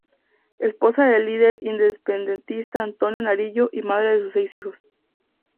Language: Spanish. Esposa del líder independentista Antonio Nariño y madre de sus seis hijos.